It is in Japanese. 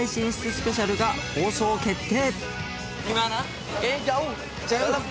スペシャルが放送決定！